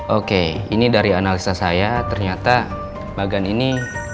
oke ini dari analisa saya ternyata bagan ini